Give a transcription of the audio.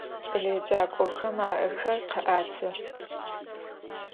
Ç'eleêcak'oxem a'exer kha'etı.